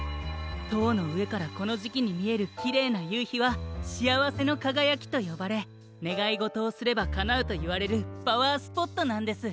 とうのうえからこのじきにみえるキレイなゆうひは「しあわせのかがやき」とよばれねがいごとをすればかなうといわれるパワースポットなんです。